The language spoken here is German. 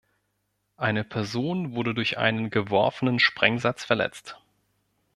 Eine Person wurde durch einen geworfenen Sprengsatz verletzt.